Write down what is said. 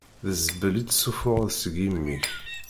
D zzbel i d-tessuffuɣeḍ seg yimi-k.